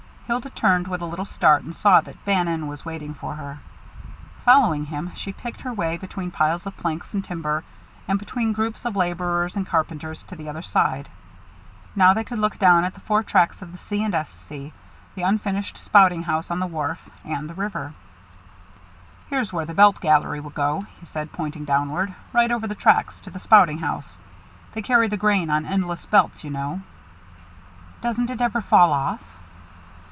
Hilda turned with a little start and saw that Bannon was waiting for her. Following him, she picked her way between piles of planks and timber, and between groups of laborers and carpenters, to the other side. Now they could look down at the four tracks of the C. & S. C., the unfinished spouting house on the wharf, and the river. "Here's where the belt gallery will go," he said, pointing downward: "right over the tracks to the spouting house. They carry the grain on endless belts, you know." "Doesn't it ever fall off?"